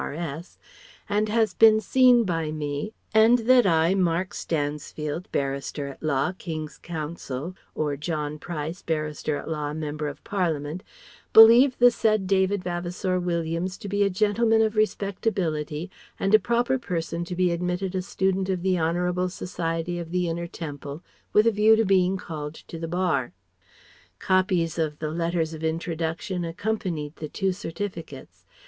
R.S.") "and has been seen by me; and that I, Mark Stansfield, Barrister at law, King's Counsel" (or "John Price, Barrister at law, Member of Parliament") "believe the said David Vavasour Williams to be a gentleman of respectability and a proper person to be admitted a Student of the Honourable Society of the Inner Temple with a view to being called to the Bar." Copies of the letters of introduction accompanied the two certificates.